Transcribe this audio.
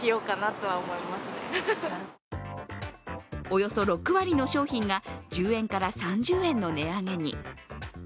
およそ６割の商品が１０円から３０円の値上げに。